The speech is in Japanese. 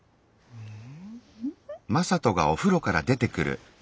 うん！